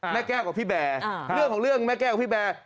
แม่แก้วกับพี่แบร์เรื่องของเรื่องแม่แก้วกับพี่แบร์